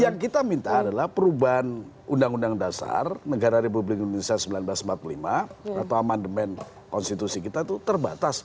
yang kita minta adalah perubahan undang undang dasar negara republik indonesia seribu sembilan ratus empat puluh lima atau amandemen konstitusi kita itu terbatas